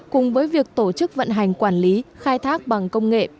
cùng với việc tổ chức vận hành quản lý khai thác bằng công nghệ